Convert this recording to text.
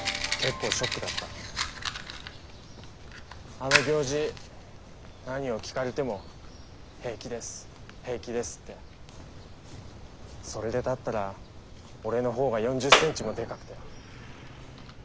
あの行司何を聞かれても「平気です平気です」って。それで立ったら俺の方が４０センチもでかくて。